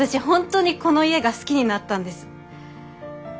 本当にこの家が好きになったんです。